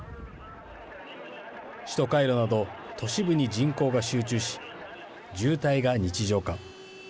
首都カイロなど都市部に人口が集中し渋滞が日常化。